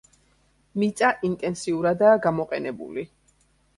მიწა ინტენსიურადაა გამოყენებული.